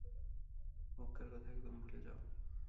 মক্কার কথা একদম ভুলে যাও।